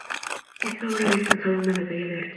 Esta obra había alcanzado una medalla de arte.